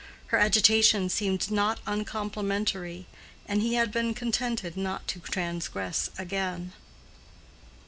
Her agitation seemed not uncomplimentary, and he had been contented not to transgress again.